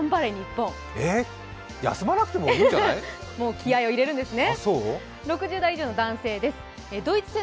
気合いを入れるんですね。